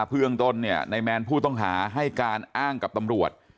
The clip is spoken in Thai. เพื่อนตนเนี่ยในแมลก์ผู้ต้องหาให้การอ้างกับตำรวจ